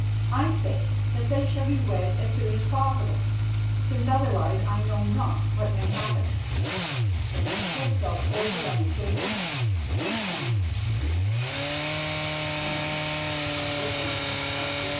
I say that they shall be wed as soon as possible, since otherwise I know not what may happen." Then his head fell forward on the table and he sank to sleep. CHAPTER III THE WANDERER'